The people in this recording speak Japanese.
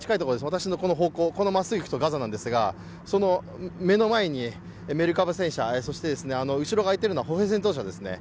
私のこの方向、まっすぐ行くとガザなんですが、その目の前にメルカバ戦車、後ろが開いているのは歩兵戦闘車ですね